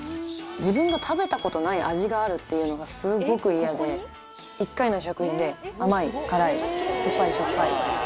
自分が食べたことない味があるっていうのがすっごく嫌で一回の食事で甘い辛い酸っぱいしょっぱい